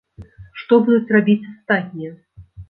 Што будуць рабіць астатнія?